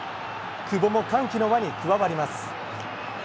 久保も歓喜の輪に加わります。